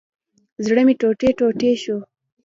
زړه مي ټوټي ټوټي شو